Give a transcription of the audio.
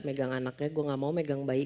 megang anaknya gue gak mau megang bayi